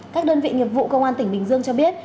các đơn vị nghiệp vụ công an tỉnh bình dương cho biết